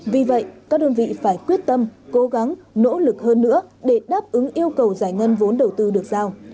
vì vậy các đơn vị phải quyết tâm cố gắng nỗ lực hơn nữa để đáp ứng yêu cầu giải ngân vốn đầu tư được giao